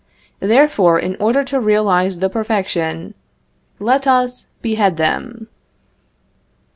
Therefore, in order to realize the perfection, let us behead them.